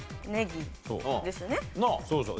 そうそう。